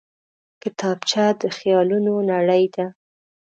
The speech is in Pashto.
کتابچه د خیالونو نړۍ ده